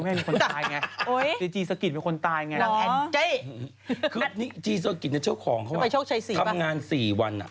เอ็งจี้ส่งคลิปให้ดูในไลน์กรุ๊ปไงค่ะ